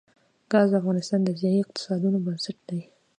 ګاز د افغانستان د ځایي اقتصادونو بنسټ دی.